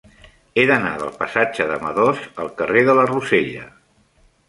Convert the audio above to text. He d'anar del passatge de Madoz al carrer de la Rosella.